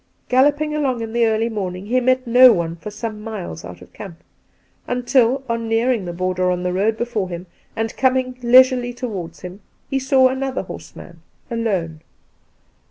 Gallop ing along in the early morning, he met no one for some miles out of camp, until on nearing the border, on the road before him, and coming leisurely towards him, he saw another horseman alone.